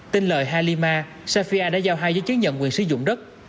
tin lời halima safia đã giao hai giấy chứng nhận quyền sử dụng đất